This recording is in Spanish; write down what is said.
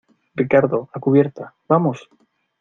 Ricardo, a cubierta. ¡ vamos!